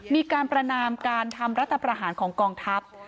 มีการประนามการทำรัฐประหารของกองทัพ